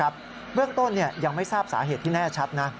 เบื้องต้นยังไม่ทราบสาเหตุที่แน่ชัดนะ